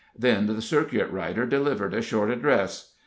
Then the circuit rider delivered a short address.